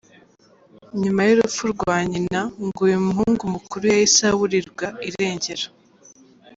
Nyuma y’urupfu rwa nyina ngo uyu muhungu mukuru yahise aburirwa irengero.